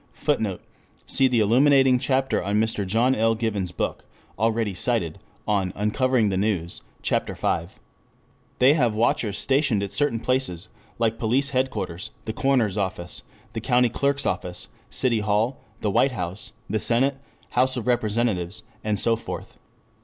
[Footnote: See the illuminating chapter in Mr. John L. Given's book, already cited, on "Uncovering the News," Ch. V.] They have watchers stationed at certain places, like Police Headquarters, the Coroner's Office, the County Clerk's Office, City Hall, the White House, the Senate, House of Representatives, and so forth.